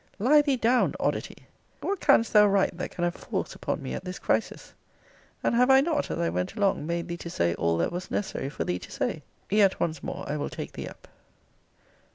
Lie thee down, oddity! What canst thou write that can have force upon me at this crisis? And have I not, as I went along, made thee to say all that was necessary for thee to say? Yet once more I will take thee up.